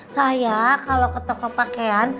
saya kalau ke toko pakaian